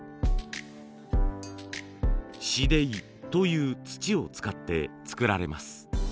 紫泥という土を使って作られます。